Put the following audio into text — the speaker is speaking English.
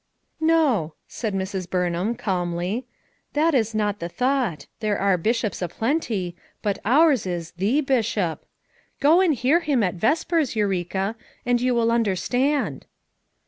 "No," said Mrs. Burnham calmly. "That is not the thought; there are bishops a plenty, but ours is THE Bishop. Go and hear him at vespers, Eureka, and you will understand."